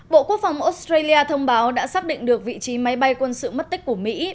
bộ quốc phòng australia thông báo đã xác định được vị trí máy bay quân sự mất tích của mỹ